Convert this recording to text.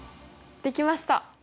できました。